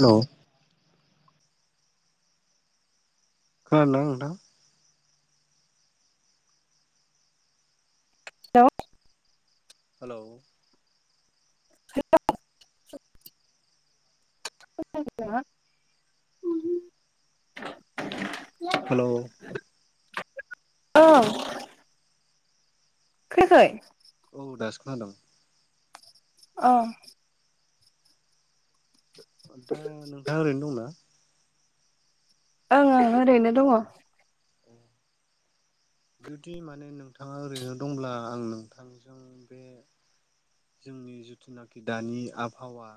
Hello. खोनादोंना नोंथां? Hello. Hello. Hello. Hello औ [unintelligible] [inaudible] औ। खोनायाखै। औ दासो खोनादों। अ। दा नोंथाङा ओरैनो दंना? ओं ओं ओरैनो दङ। जुदि माने नोंथाङा ओरैनो दंब्ला आं नोंथांजों बे जोंनि जिथुनाखि दानि आबहावा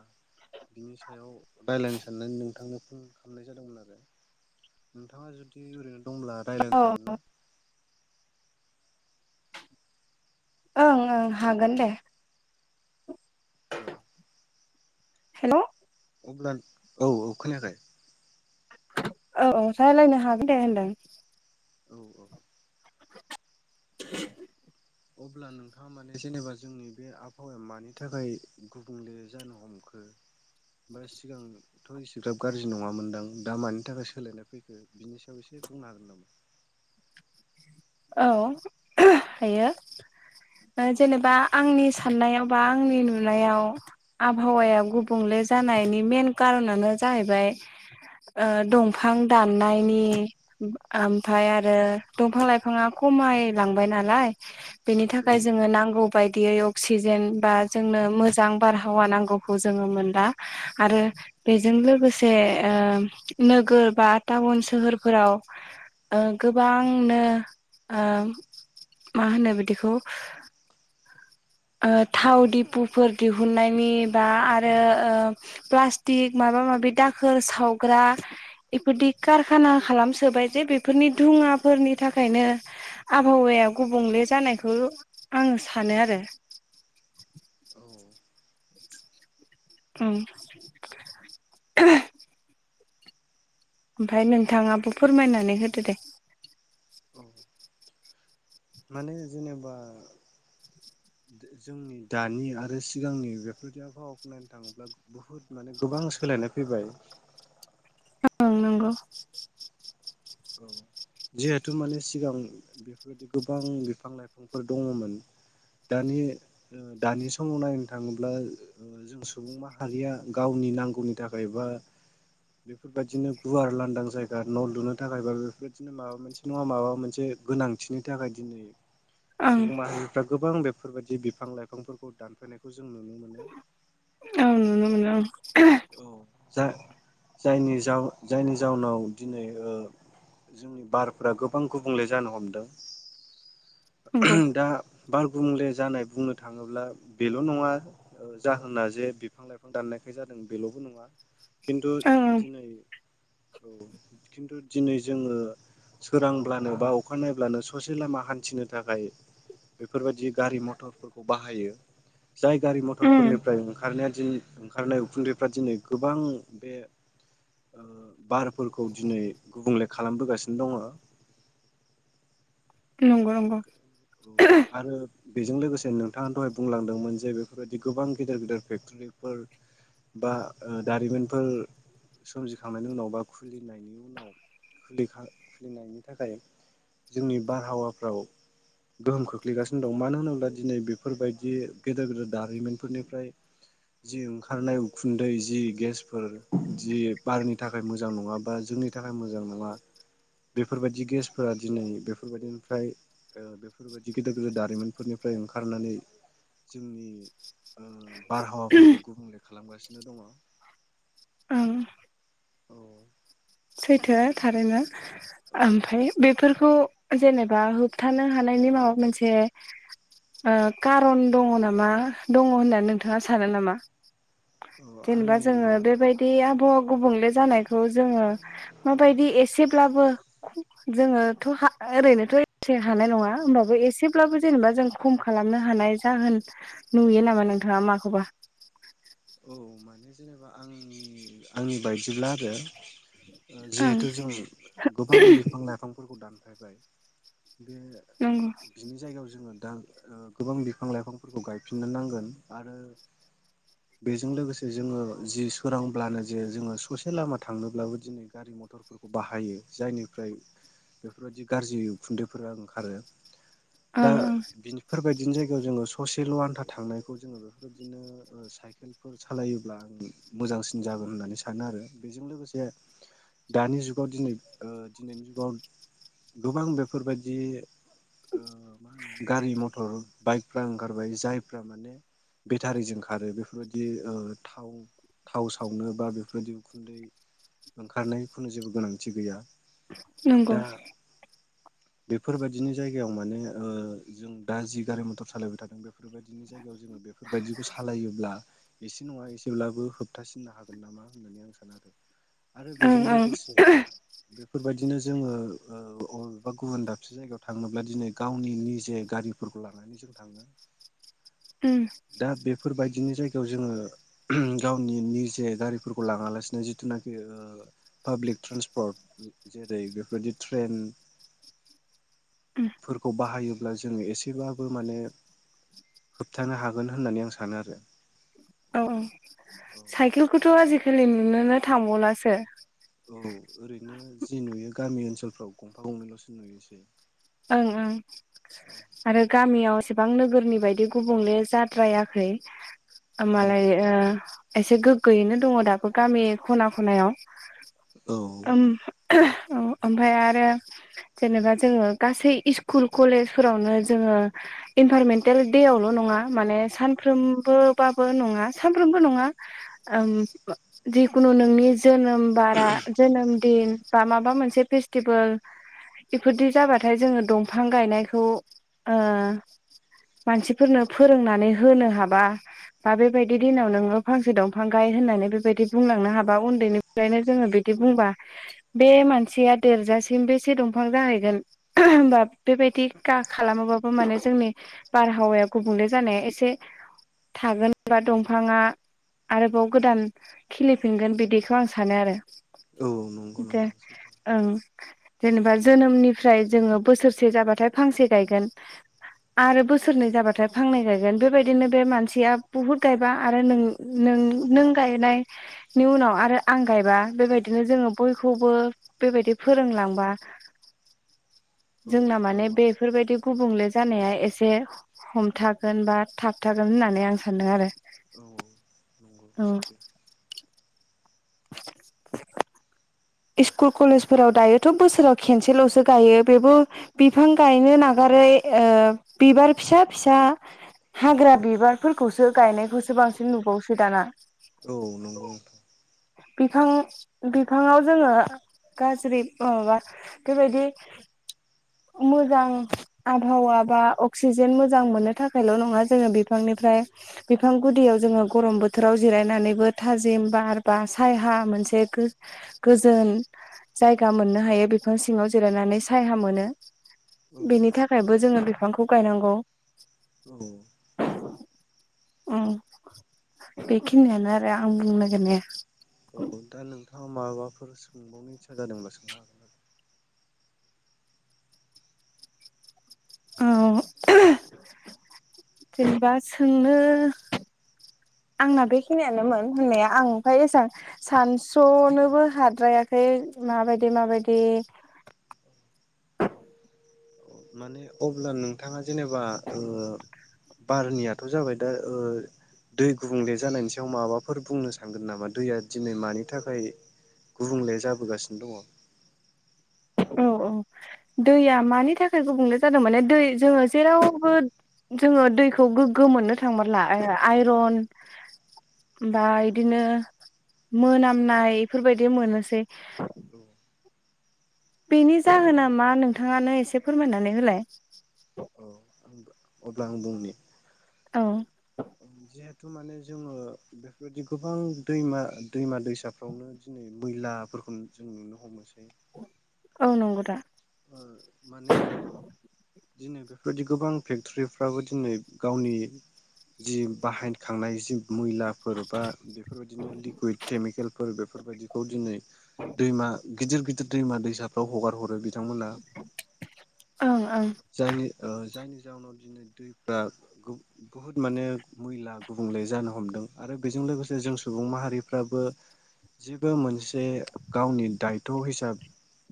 बिनि सायाव रायलायनो सानदों नोंथांजों खालामनाय जादोंमोन आरो नोंथाङा जुदि ओरैनो दंब्ला रायलायनो ओं हागोन ना? ओं ओं हागोन दे। औ। हेलौ। अब्ला औ औ खोनायाखै? औ औ रायलायनो हागोन दे होनदों। औ औ [inaudible] अब्ला नोंथाङा माने जेनेबा जोंनि बे आबहावाया मानि थाखाय गुबुंले जानो हमखो बा सिगांथ' एसेग्राब गाज्रि नङामोनदां दा मानि थाखाय सोलायनाय फैखो बिनि सायाव एसे बुंनो हागोन नामा औ हायो जेनेबा आंनि साननायाव बा आंनि नुनायाव आबहावाया गुबुंले जानायनि मेन कारनानो जाहैबाय ओ दंफां दाननायनि ओमफ्राय आरो दंफां लाइ फाङा खमायलांबाय नालाय बेनि औ थाखाय जोङो नांगौ बायदियै अक्सिजेन बा जोंनो मोजां बारहावा नांगौखौ जोङो मोनला आरो बेजों लोगोसे नोगोर बा टाउन सोहोरफोराव ओ गोबांनो ओ मा होनो बिदिखौ ओ थाव दिपुफोर दिहुननायनि बा आरो प्लास्टिक माबा माबि दाखोर सावग्रा बेफोरदि कारखाना खालामसोबाय जे बेफोरनि धुङाफोरनि थाखायनो आबहावाया गुबुंले जानायखौ आङो सानो आरो औ ओं ओमफ्राय नोंथाङाबो फोरमायनानै होदो दे औ माने जेनेबा जोंनि दानि आरो सिगांनि बेफोरबादि आबहावाखौ बुंनो थाङोब्ला बुहुद माने गोबां सोलायनाय फैबाय ओं नंगौ औ जिहेथु माने सिगां बेफोरबायदि गोबां बिफां लाइफांफोर दङमोन दानि ओ दानि समाव नायनो थाङोब्ला जों सुबुं माहारिया गावनि नांगौनि थाखाय बा बेफोरबायदिनो गुवार लांदां जायगा न' लुनो थाखाय बा बेफोरबायदिनो माबा मोनसे नङा माबा मोनसे गोनांथिनि थाखाय दिनै ओं सुबुं माहारिफ्रा गोबां बे फोर बायदि बिफां लाइफांफोरखौ दानफायनायखौ जों नुनो मोनो। औ नुनो मोनो औ जा-जायनि जाउ जायनि जाउनाव दिनै ओ जोंनि बारफोरा गोबां गुबुंले जानो हमदों नंगौ दा बारगुंले जानाय बुंनो थाङोब्ला बेल' नङा जाहोना जे बिफां लाइफां दाननायखाय जादों बेल'बो नङा खिनथु ओं ओं दिनै औ खिनथु दिनै जोङो सोरांब्लानो बा अखानायब्लानो ससे लामा हान्थिनो थाखाय बेफोरबायाददि गारि मथरफोरखौ बाहायो जाय गारि उम मथरफोरनिफ्राय ओंखारनाया दि ओंखारनाय उखुन्दैफ्रा दिनै गोबां बे ओ बारफोरखौ दिनै गुबुंले खालामबोगासिनो दङो नंगौ नंगौ औ आरो बेजों लोगोसे नोंथाङा दहाय बुंलांदोंमोन जे बेफोरबायदि गोबां गेदेर गेदेर फेक्टरिफोर बा दारिमिनफोर सोमजिखांनायनि उनाव बा खुलिनायनि उनाव खुलिनायनि थाखाय जोंनि बारहावाफ्राव गोहोम खोख्लैगासिनो दं मानो होनोब्ला दिनै बेफोरबायदि गेदेर गेदेर दारिमिनफोरनिफ्राय जि ओंखारनाय उखुन्दै जि गेसफोर जि बारनि थाखाय मोजां नङा बा जोंनि थाखाय मोजां नङा बेफोरबायदि गेसफोरा दिनै बेफोरबायदिनिफ्राय ओ बेफोरबायदि गेदेर गेदेर दारिमिनफोरनिफ्राय ओंखारनानै जोंनि ओ बारहावाफोरखौ गुबुंले खालामगासिनो दङ। ओं औ सैथोआ थारैनो ओमफ्राय बेफोरखौ जेनेबा होबथानो हानायनि माबा मोनसे ओ कारन दङ नामा दङ होननानै नोंथाङा सानो नामा? औ जेनेबा आंनि जोङो नुनो बेबायदि आबहावा गुबुंले जानायखौ जोङो माबायदि एसेब्लाबो जोङोथ' ओरैनोथ' एसे हानाय नङा होमबाबो एसेब्लाबो जेनेबा जों खम खालामनो हानाय जाहोन नुयो नामा नोंथाङा माखौबा? औ माने जेनेबा आंनि आंनि बायदिब्ला आरो ओं जिहेथु जों गोबां बिफां लाइफांफोरखौ दान फायबायाय बे नंगौ बिनि जायगायाव जोङो दा गोबां बिफां लाइफांफोरखौ गायफिननो नांगोन आरो बेजों लोगोसे जोङो जि सोरांब्लानो जे जोङो ससे लामा थांनोब्लाबो दिनै गारि मथरफोरखौ बाहायो जायनिफ्राय बेफोरबायदि गाज्रि खुन्दैफोरा ओंखारो दा ओं ओं बिफोरबायदिनो जायगायाव जोङो ससेल आान्था थांनायखौ जोङो बेफोरबायदिनो साइकेलफोर सालायोब्ला आं मोजांसिन जागोन होननानै सानो आरो बेजों लोगोसे दानि जुगाव दिनै ओ दिनैनि जुगाव गोबां बेफोरबायदि ओ मा होनो गारि मथर बाइकफ्रा ओंखारबाय जायफ्रा माने बेटारिजों खारो बेफो फोरबायदि ओ थाव थाव सावनो बा बेफोरबायदि उखुन्दै ओंखारनायनि खुनु जेबो गोनांथि गैया। नंगौ बेफोरबायदिनो जायगायाव माने ओ जों दा जि गारि मथर सालायबाय थादों बे फोरबायदिनो जायगायाव जोङो बेफोरबायदिखौ सालायोब्ला एसे नङा एसेब्लाबो होबथासिननो हागोन नामा होननानै आं सानो आरो आरो ओं बेजों ओं लोगोसे बेफोरबायदि बिदिनो जोङो ओ अबेबा गुबुन दाबसे जायगायाव थांनोब्ला दिनै गावनि निजे गारिफोरखौ लानानै जों थाङो। उम दा बेफोरबायदि बिनो जाय गायाव जोङो गावनि निजे गारिफोरखौ लाङा लासिनो जिथुनाखि ओ पाब्लिक ट्रेन्सपर्ट जेरै बेफोरबाददि ट्रेन उम फोरखौ बाहायो ब्ला जोङो एसेबाबो माने होबथानो हागोन होननानै आं सानो आरो। औ औ औ साइकेलखौथ' आजिखा लि नुनोनो थांबावलासो औ ओरैनो जि नुयो गामि ओनसोलफ्राव गंफा गंनैल'सो नुयोनोसै ओं ओं आरो गामियाव एसेबां नोगोरनि बायदि गुबुंले जाद्रायाखै आ औ मालाय ओ एसे गोगोयैनो दङ दाबो गामि खना खनायाव औ ओम ओमफाय आरो जेनेबा जोङो गासै इस्कुल कलेजफोरावनो जोङो इनभारमेन्टेल देवल' नङा माने सानफ्रोमबोबाबो नङा सानफ्रोमबो नङा ओम जिखुनु नोंनि जोनोम बारा जोनोम दिन बा माबा मोनसे फेस्टिभेल बेफोरदि जाबाथाय थाय जोङो दंफां गायनायखौ ओ मानसिफोरनो फोरोंनानै होनो हाबा बा बेबायदि दिनाव नोङो फांसे दंफां गाय होननानै बेबायदि बुंलांनो हाबा उन्दैनिफ्रायनो जोङो बिदि बुंबा बे मानसिया देरजासिम बेसे दंफां जाहैगोन। होमबा बेबायदि गा खालामोबाबो माने जोंनि बारहावाया गुबुंले जानाया एसे थागोनबा दंफाङा आरोबाव गोदान खिलिफिनगोन बिदिखौ आं सानो आरो औ नंगौ दे नोंथां सैथो ओं जेनेबा जोनोमनिफ्राय जोङो बोसोरसे जाबाथाय फांसे गायगोन आरो बोसोरनै जाबाथाय फांनै गायगोन बेबायदिनो बे मानसिया बुहुद गायबा आरो नों नों नों गायनायनि उनाव आरो आं गायबा बेबायदिनो जोङो बयखौबो बेबायदि फोरोंलांबा औ जोंना माने नंगौ नोंथां बेफोरबायदि गुबुंले जानाया एसे हमथागोन बा थाबथागोन होननानै आं सान्दों आरो। औ नंगौ औ सैथो [inaudible] इस्कुल कलेजफोराव दायोथ' बोसोराव खेनसेल'सो गायो बेबो बिफां गायनो नागारै ओ बिबार फिसा फिसा हाग्रा बिबारफोरखौसो गायनायखौसो बांसिन नुबावसै दाना। औ नंगौथ'। बिफां बिफाङाव जोङो गाज्रि ओ माबा बेबायदि मोजां आबहावा बा अक्सिजेन मोजां मोननो थाखायल' नङा जोङो बिफांनिफ्राय बिफां गुदियाव जोङो गरम बोथोराव जिरायनानैबो थाजिम बार बा सायहा मोनसे गो-गोजोन जायगा मोननो हायो बिफां सिङाव जिरायनानै सायहा मोनो। औ बेनि थाखायबो नंगौ जोङो बिफांखौ गायनां गौ। औ। ओम बेखिनियानो आरो आं बुंनो नागिरनाया। औ दा नोंथाङा माबाफोर सोंबावनो इस्सा जादोंबा सोंनो हागोन आरो। औ जेनेबा सोंनो आंना बेखिनियानोमोन होननाया आं ओमफाय एसां सानस'नोबो हाद्रायाखै माबायदि माबायदि ने अब्ला नोंथाङा जेनेबा ओ बारनिया थ' जाबाय दा ओ दै गुबुंले जानायनि सायाव माबाफोर बुंनो सानगोन नामा दैया दिनै मानि थाखाय गुबुंले जाबोगासिनो दङ? औ औ दैया मानि थाखाय गुबुंले जादों माने दै जोङो जेरावबो जोङो दैखौ गोग्गो मोननो थांमारला आइ-आइरन ओमफाय बिदिनो मोनामनाय इफोरबायदि मोनोसै। दङ बेनि जाहोना मा? नोंथाङानो एसे फोरमायनानै होलाय। औ आं अब्ला आं बुंनि औ। जिहेथु माने जोङो बेफोरबायदि गोबां दैमा दैमा दैमा दैसाफ्रावनो दिनै मैलाफोरखौ जों नुनो हमोसै औ नंगौदा। ओ माने दिनै बेफोरबायदि गोबां फेक्टरिफ्राबो दिनै गावनि जि बाहायखांनाय जि मैलाफोर बा बेफोरबायदिनो लिकुइड केमिकेलफोर बे फोरबायदिखौ दिनै दैमा गिदिर गिदिर दैमा दैसाफ्राव हगार हरो बिथांमोना ओं ओं जायनि ओ जायनि जाहोनाव दिनै दैफोरा गु बुहुत माने मैला गुबुंले जानो हमदों आरो बेजों लोगोसे जों सुबुं माहारिफ्राबो जेबो मोनसे गावनि दायथ' हिसा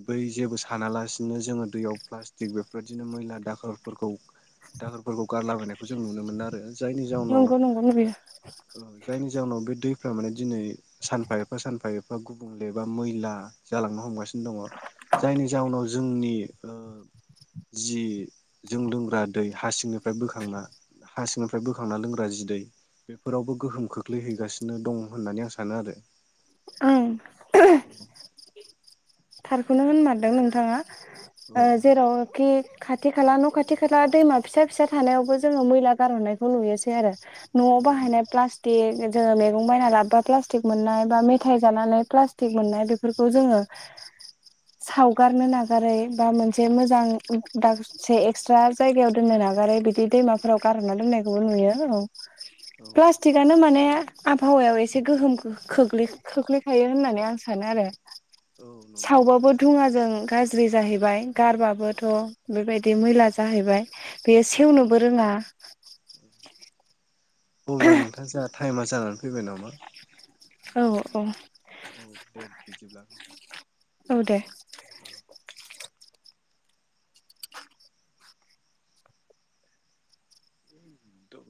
बै जेबो सा नालासिनो जोङो दैयाव प्लास्टिक बेफोरबायदिनो मैला दाखोरफोरखौ दाखोरफोरखौ गारलाबायनायखौ जों नुनो मोनो आरो जायनि जाउनाव ओ नंगौ नंगौ नंगौ जायनि जाउनाव बे दै फ्रा माने दिनै सानफा एफा सानफा एफा गुबुंले बा मैला जालांनो हमगासिनो दङ जायनि जाउनाव जोंनि ओ जि जों लोंग्रा दै हासिंनिफ्राय बोखांना हासिंनिफ्राय बोखांना लोंग्रा जि दै बेफोरावबो गोहोम खोख्लैहैगासिनो दं होननानै आं सानो आरो। ओं। औ थारखौनो होनमारदों नोंथाङा। औ ओ जेरावखि खाथि खाला न' खाथि खाला दैमा फिसा फिसा थानायावबो जोङो मैला गारहरनायखौ नुयोसै आरो न'आव औ बाहायनाय प्लास टिक जोङो मैगं बायना लाबोबा प्लास्टिक मोननाय बा मि थाइ जानानै प्लास्टिक मोननाय बेफोरखौ जोङो सावगारनो नागारै बा मोनसे मोजां दासे एक्सट्रा जायगायाव दोननो नागारै बिदि दैमाफोराव गारह'रना दोननायखौबो नुयो औ औ प्लास्टिक आनो माने आबहावायाव एसे गोहोम खो-खोख्लै खोख्लैखायो होननानै आं सानो आरो। औ नंगौ नोंथां सावबाबो सैथो धुङाजों गाज्रि जाहै बाय गारबाबोथ' बेबायदि मैला जाहैबाय। बेयो औ सेवनोबो रोङा अब्ला नोंथां जाहा टाइमा जानानै फैबाय नामा? औ औ। औ दे बिदिब्ला औ दे औ। द'